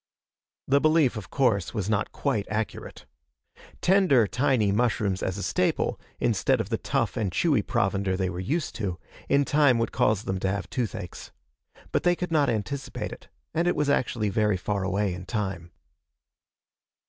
The belief, of course, was not quite accurate. Tender tiny mushrooms as a staple, instead of the tough and chewy provender they were used to, in time would cause them to have toothaches. But they could not anticipate it, and it was actually very far away in time.